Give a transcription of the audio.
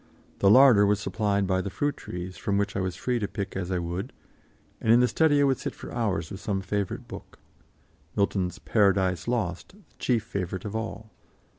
The larder was supplied by the fruit trees, from which I was free to pick as I would, and in the study I would sit for hours with some favourite book Milton's "Paradise Lost" the chief favourite of all.